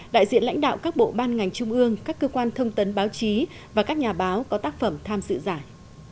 đại diện lãnh đạo các bộ ban ngành trung ương các cơ quan thông tấn báo chí và các nhà báo có tác phẩm tham dự giải